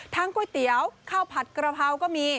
ก๋วยเตี๋ยวข้าวผัดกระเพราก็มี